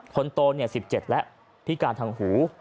คนโต๑๗แล้วพิการทางหู